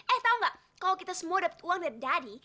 eh tau gak kalo kita semua dapet uang dari daddy